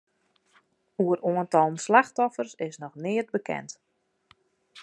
Oer oantallen slachtoffers is noch neat bekend.